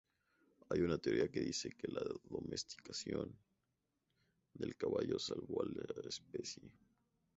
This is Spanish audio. Hay una teoría que dice que la domesticación del caballo salvó la especie.